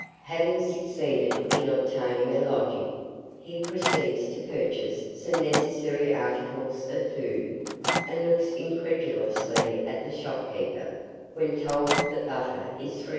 Having succeeded in obtaining a lodging, he proceeds to purchase some necessary articles of food, and looks incredulously at the shopkeeper when told that butter is 3s.